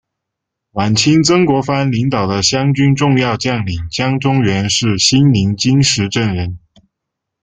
晚清曾国藩领导的湘军重要将领江忠源是新宁金石镇人。